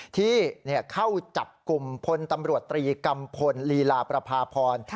ที่เข้าจับกลุ่มพลตำรวจตรีกัมพลลีลาประพาพร